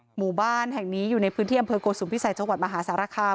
หมู่บ้านแห่งนี้อยู่ในพื้นที่อำเภอโกสุมพิสัยจังหวัดมหาสารคาม